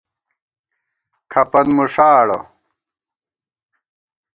کھپن مُݭاڑَہ